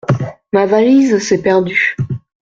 Ma valise s’est perdue.